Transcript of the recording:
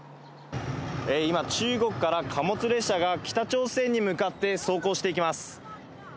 今、中国から貨物列車が、北朝鮮に向かって走行していきます。